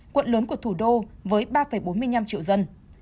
quận lớn của thủ đô với ba bốn mươi năm triệu dân